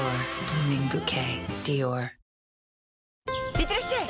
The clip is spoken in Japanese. いってらっしゃい！